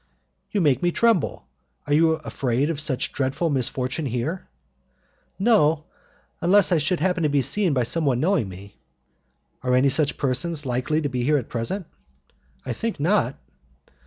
"You make me tremble. Are you afraid of such a dreadful misfortune here?" "No, unless I should happen to be seen by someone knowing me." "Are any such persons likely to be here at present?" "I think not."